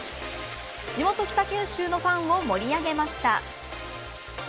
地元北九州のファンを盛り上げました。